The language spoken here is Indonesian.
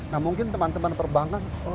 nah mungkin teman teman perbankan